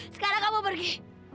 sekarang kamu pergi